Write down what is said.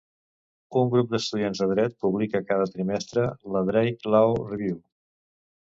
Un grup d'estudiants de Dret publica cada trimestre la Drake Law Review.